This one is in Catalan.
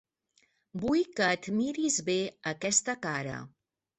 Vull que et miris bé aquesta cara.